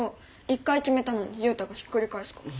一回決めたのにユウタがひっくり返すから。